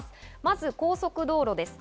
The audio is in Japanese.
まず高速道路です。